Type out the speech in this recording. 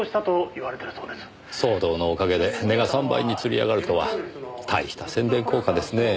騒動のおかげで値が３倍につり上がるとは大した宣伝効果ですねぇ。